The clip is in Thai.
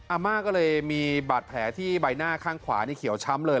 อาม่าก็เลยมีบาดแผลที่ใบหน้าข้างขวานี่เขียวช้ำเลย